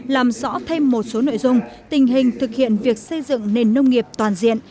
làm rõ thêm một số nội dung tình hình thực hiện việc xây dựng nền nông nghiệp toàn diện